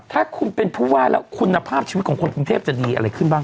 ถ้าคุณเป็นผู้ว่าแล้วคุณภาพชีวิตของคนกรุงเทพจะดีอะไรขึ้นบ้าง